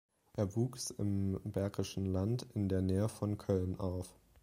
Er wuchs im Bergischen Land in der Nähe von Köln auf.